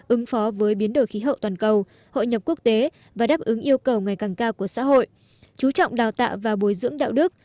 ứng phó với biến đổi khí hậu toàn cầu hội nhập quốc tế và đáp ứng yêu cầu ngày càng cao của xã hội chú trọng đào tạo và bồi dưỡng đạo đức